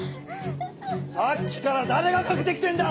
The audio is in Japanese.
さっきから誰がかけて来てんだ！